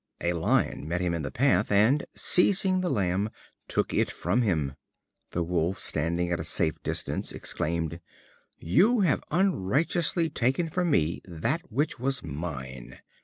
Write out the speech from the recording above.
A Lion met him in the path, and, seizing the lamb, took it from him. The Wolf, standing at a safe distance, exclaimed: "You have unrighteously taken from me that which was mine."